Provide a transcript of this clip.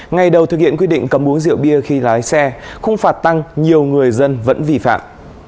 ngày đầu thực hiện quy định cầm uống rượu bia khi lái xe không phạt tăng nhiều người dân vẫn vĩ phạm